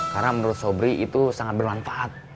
karena menurut sobri itu sangat bermanfaat